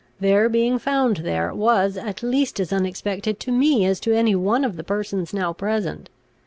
Their being found there, was at least as unexpected to me as to any one of the persons now present.